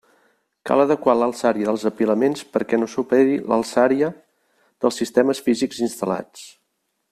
Cal adequar l'alçària dels apilaments perquè no superi l'alçària dels sistemes físics instal·lats.